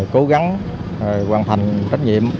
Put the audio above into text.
cố gắng hoàn thành trách nhiệm